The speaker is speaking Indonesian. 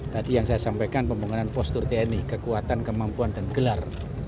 tadi yang saya sampaikan pembangunan postur tni kekuatan kemampuan dan gelar